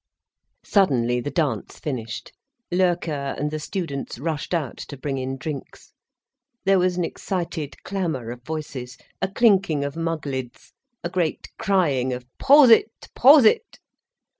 Suddenly the dance finished, Loerke and the students rushed out to bring in drinks. There was an excited clamour of voices, a clinking of mug lids, a great crying of "_Prosit—Prosit!